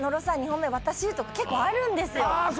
２本目私とか結構あるんですよああ